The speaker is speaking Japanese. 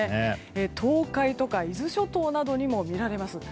東海とか伊豆諸島などにも見られます。